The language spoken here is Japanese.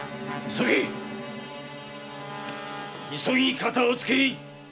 急ぎ片をつけい！